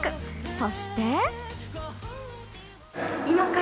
そして。